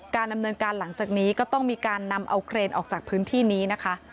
ดำเนินการหลังจากนี้ก็ต้องมีการนำเอาเครนออกจากพื้นที่นี้นะคะ